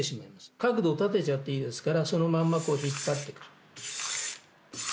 角度を立てちゃっていいですからそのまんまこう引っ張ってくる。